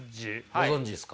ご存じですか？